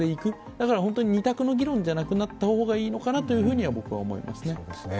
だから本当に二択の議論じゃなくなった方がいいのかなと僕は思いますね。